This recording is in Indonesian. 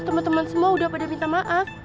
temen temen semua udah pada minta maaf